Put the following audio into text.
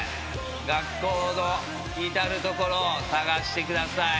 学校の至る所を捜してください。